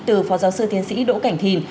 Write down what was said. từ phó giáo sư tiến sĩ đỗ cảnh thìn